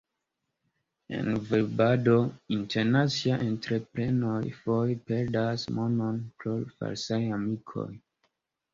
En varbado, internaciaj entreprenoj foje perdas monon pro falsaj amikoj.